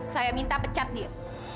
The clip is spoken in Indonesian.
saya minta pecat dia